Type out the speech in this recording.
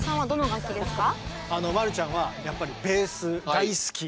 マルちゃんはやっぱりベース大好き。